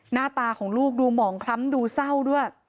หน้าตาของลูกดูหมองคล้ำดูเศร้าด้วย